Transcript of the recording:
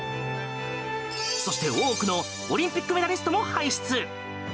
そして、多くのオリンピックメダリストも輩出！